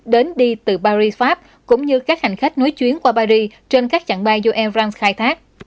đến đi từ paris pháp cũng như các hành khách nối chuyến qua paris trên các chặng bay do ern khai thác